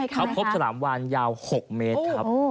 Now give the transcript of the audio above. เขาพบฉลามวานยาว๖เมตรครับ